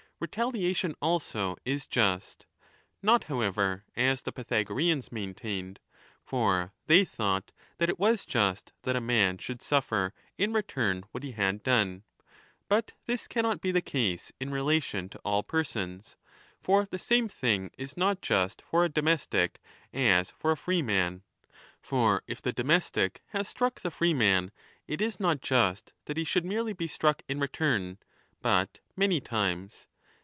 Retaliation also is just; not, however, as the Pytha goreans maintained. For they thought that it was just 3° that a man should suffer in return what he had done. But this cannot be the case in relation to all persons. For the same thing is not just for a domestic as for a freeman. For if the domestic has struck the freeman, it is not just that he should merely be struck in return, but many times.